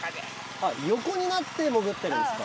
あっ横になって潜ってるんですか。